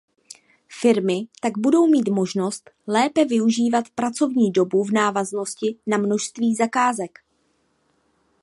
Firmy tak budou mít možnost lépe využívat pracovní dobu v návaznosti na množství zakázek.